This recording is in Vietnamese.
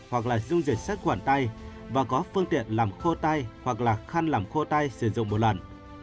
hoặc dung dịch sách quản tay và có phương tiện làm khô tay hoặc khăn làm khô tay sử dụng một lần